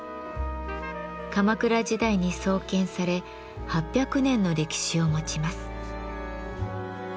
鎌倉時代に創建され８００年の歴史を持ちます。